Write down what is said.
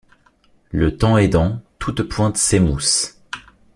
Le temps aidant, toute pointe s’émousse.